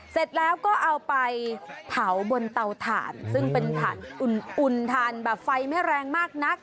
เสร็จแล้วก็เอาไปเผาบนเตาถ่านซึ่งเป็นถ่านอุ่นถ่านแบบไฟไม่แรงมากนัก